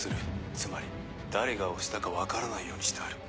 つまり誰が押したか分からないようにしてある。